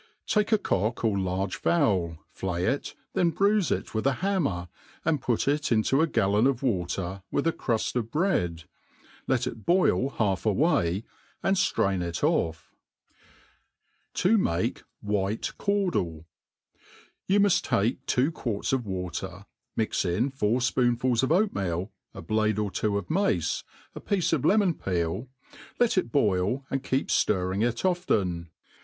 TAKE a cock, or large fowl, flay it, then bruife it with a hammer, and put it into a gallon of waten, with a cruft of bread. Let it boil half away, and ftrain it off. To MADE PtAIN AKD EA$Y* 243 To mdfe White Caudli. YOU nrnft take two quarts o£ water, mix in four fpoonfuls of oatmeal, a bbde or t\vo of mace, a piece of lemon peel, let It boil, and keep fttrring it often.